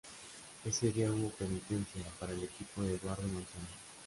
Ese día hubo penitencia para el equipo de Eduardo Manzano.